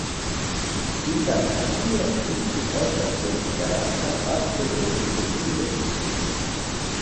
Internacie ĝi plu estas konsiderata parto de Etiopio.